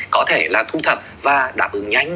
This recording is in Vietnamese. có thể là thu thập và đảm ứng nhanh